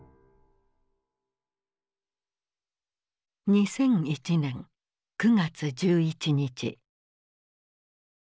２００１年９月１１日。